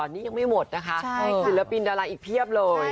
นี่ยังไม่หมดนะคะศิลปินดาราอีกเพียบเลย